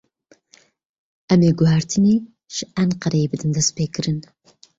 Em ê guhertinê ji Enqereyê bidin dest pêkirin.